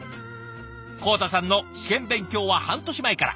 康太さんの試験勉強は半年前から。